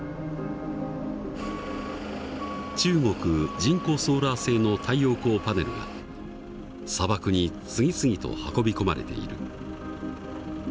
中国ジンコソーラー製の太陽光パネルが砂漠に次々と運び込まれている。